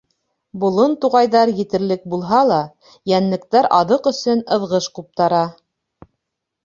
Болон-туғайҙар етерлек булһа ла, йәнлектәр аҙыҡ өсөн ыҙғыш ҡуптара.